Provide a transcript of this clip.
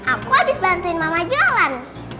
aku habis bantuin mama jalan